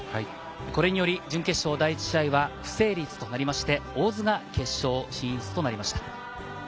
これにより準決勝第１試合は不成立となりまして、大津が決勝進出となりました。